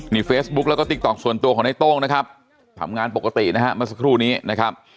นี่เฟซบุ๊กแล้วก็ติ๊กต๊อกส่วนตัวของในโต้งนะครับทำงานปกตินะฮะเมื่อสักครู่นี้นะครับ